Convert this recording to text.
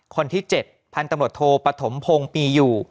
คนที่๗พันธมตรโทปฐมพงศ์มีอยู่